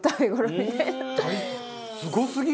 すごすぎる！